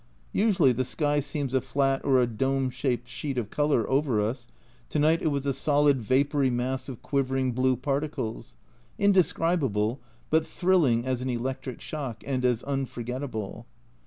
Usually the sky seems a flat or a dome shaped sheet of colour over us, to night it was a solid vapoury mass of quivering blue particles indescribable, but thrilling as an electric shock, and as unforgettable.